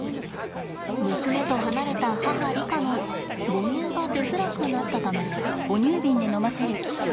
娘と離れた母リカの母乳が出づらくなったためです。